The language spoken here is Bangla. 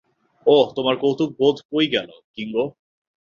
ওহ, তোমার কৌতুকবোধ কই গেলো, কিঙ্গো।